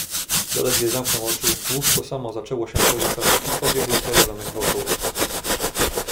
"Zaledwie zamknął oczy, łóżko samo zaczęło się poruszać i obiegło cały zamek wokoło."